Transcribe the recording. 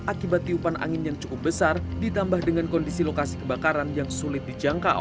akibat tiupan angin yang cukup besar ditambah dengan kondisi lokasi kebakaran yang sulit dijangkau